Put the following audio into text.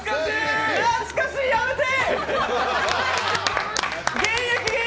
懐かしいやめて！